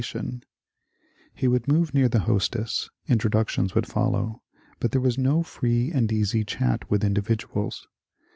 RICHARD COBDEN 83 He would move near the hostess, iDtroductions would follow, but there was no free and easy chat with individuals.